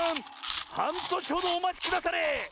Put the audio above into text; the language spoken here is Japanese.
はんとしほどおまちくだされ！